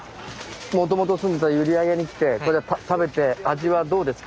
もともと住んでた閖上に来てここで食べて味はどうですか？